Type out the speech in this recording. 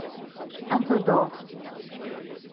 Un peu d’or.